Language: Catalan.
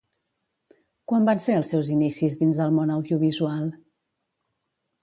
Quan van ser els seus inicis dins el món audiovisual?